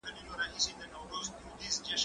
که وخت وي، قلم استعمالوموم؟